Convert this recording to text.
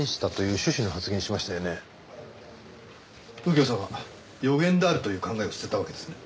右京さんは予言であるという考えを捨てたわけですね。